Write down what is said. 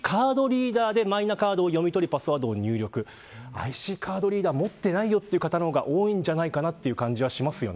ＩＣカードリーダーを持っていない方のほうが多いんじゃないかという気がしますね。